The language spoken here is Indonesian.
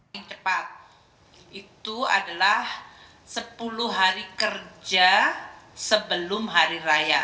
yang cepat itu adalah sepuluh hari kerja sebelum hari raya